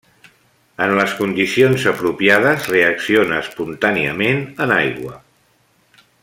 En les condicions apropiades reacciona espontàniament en aigua.